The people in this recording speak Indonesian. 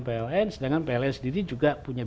pln sedangkan pln sendiri juga punya